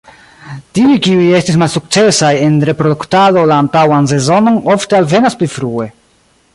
Tiuj kiuj estis malsukcesaj en reproduktado la antaŭan sezonon ofte alvenas pli frue.